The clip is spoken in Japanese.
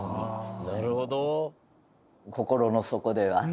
「なるほど！」